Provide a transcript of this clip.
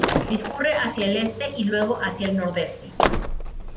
Discurre hacia el este y luego hacia el nordeste.